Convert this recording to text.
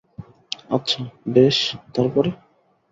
আচ্ছা, বেশ, তার পরে?